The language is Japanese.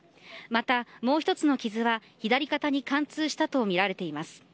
またもう１つの傷は左肩に貫通したとみられています。